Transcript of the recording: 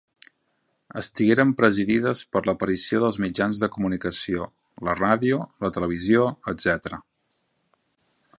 Estigueren presidides per l’aparició dels mitjans de comunicació: la ràdio, la televisió, etcètera.